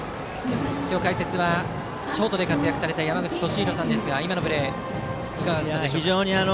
今日、解説はショートで活躍された山口敏弘さんですが今のプレー、いかがですか？